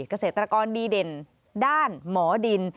เกษตรกรดีเด่นด้านหมอดิน